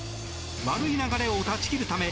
悪い流れを断ち切るため